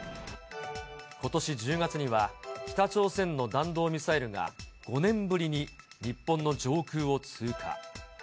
ことし１０月には、北朝鮮の弾道ミサイルが５年ぶりに日本の上空を通過。